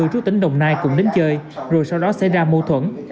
chú tỉnh đồng nai cùng đến chơi rồi sau đó xảy ra mâu thuẫn